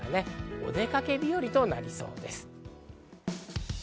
お出かけ日和となりそうです。